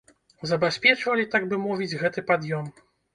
Забяспечвалі, так бы мовіць, гэты пад'ём.